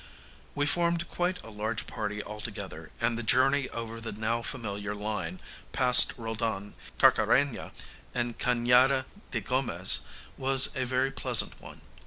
We formed quite a large party altogether, and the journey over the now familiar line, past Roldan, Carcara├▒a, and Ca├▒ada de Gomez, was a very pleasant one.